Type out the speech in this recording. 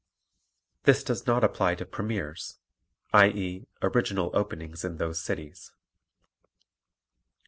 This does not apply to premiers, i.e., original openings in those cities.